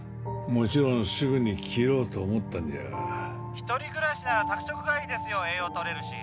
もちろんすぐに切ろうと思ったんじゃが☎一人暮らしなら宅食がいいですよ栄養とれるし